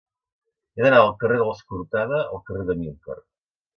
He d'anar del carrer dels Cortada al carrer d'Amílcar.